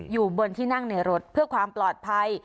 อยู่บนที่นั่งในรถเพื่อความปลอดภัย